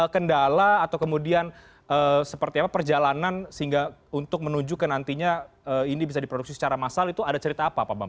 kendala atau kemudian seperti apa perjalanan sehingga untuk menuju ke nantinya ini bisa diproduksi secara massal itu ada cerita apa pak bambang